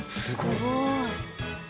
すごい！